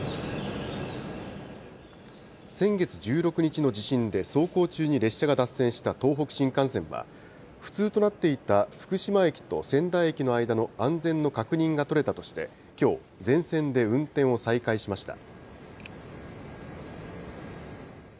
先月１６日の地震で走行中に列車が脱線した東北新幹線は、不通となっていた福島駅と仙台駅の間の安全の確認が取れたとして、きょう、全線で運転を再開しました。